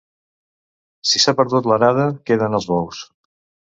Si s'ha perdut l'arada, queden els bous.